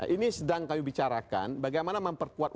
nah ini sedang kami bicarakan bagaimana memperkuatkan